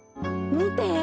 見て！